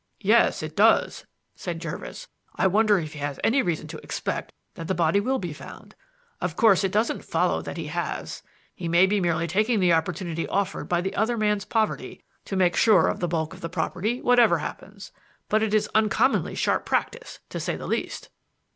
"Yes, it does," said Jervis. "I wonder if he has any reason to expect that the body will be found? Of course it doesn't follow that he has. He may be merely taking the opportunity offered by the other man's poverty to make sure of the bulk of the property whatever happens. But it is uncommonly sharp practice, to say the least."